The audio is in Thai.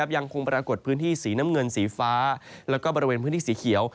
ยังคงปรากฏพื้นที่สีน้ำเงินสีฟ้าแล้วก็บริเวณพื้นที่สีเขียว